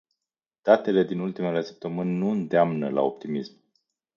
Datele din ultimele săptămâni nu îndeamnă la optimism.